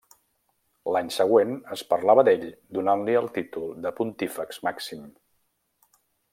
L’any següent es parlava d'ell donant-li el títol de Pontífex Màxim.